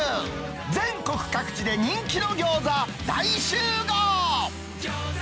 全国各地で人気の餃子大集合。